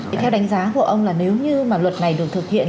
thì theo đánh giá của ông là nếu như mà luật này được thực hiện